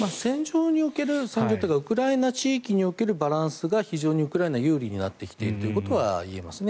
戦場というかウクライナ地域におけるバランスが非常にウクライナが有利になってきていることは言えますね。